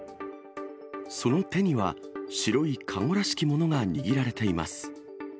その手には白い籠らしきものが握られています。